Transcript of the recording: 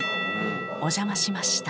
お邪魔しました。